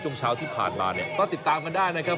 ช่วงเช้าที่ผ่านมาเนี่ยก็ติดตามกันได้นะครับ